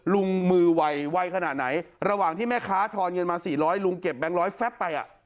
ลุงมือไวขนาดไหนระหว่างที่แม่ค้าทอนเงินมา๔๐๐ลุงเก็บแบงค์ร้อยแป๊บไปอ่ะ